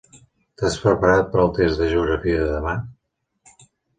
T'has preparat per al test de geografia de demà?